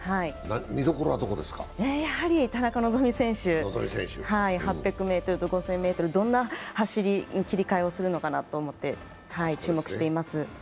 見どころはやはり田中希実選手８００ｍと５０００ｍ、どんな走り、切り替えをするのかなと思って注目しています。